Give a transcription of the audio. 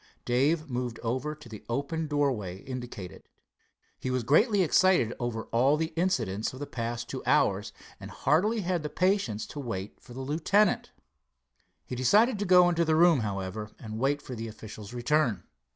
Dave moved over to the open doorway indicated. He was greatly excited over all the incidents of the past two hours, and hardly had the patience to wait for the lieutenant. He decided to go into the room, however, and wait for the official's return.